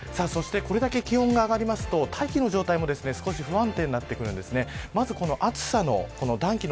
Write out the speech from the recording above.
これだけ気温が上がりますと大気の状態も少し不安定になってくるんです。